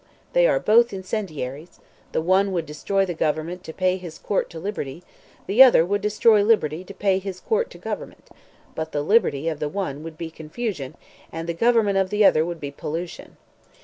They are both incendiaries; the one would destroy government to pay his court to liberty; the other would destroy liberty to pay his court to government; but the liberty of the one would be confusion, and the government of the other would be pollution."